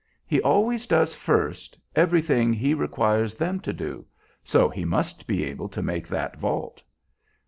He always does, first, everything he requires them to do; so he must be able to make that vault."